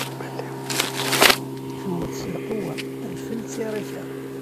Tewwet s lqewwa, adfel d tiṛika.